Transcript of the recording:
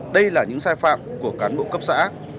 đây là những sai phạm của cán bộ cấp xã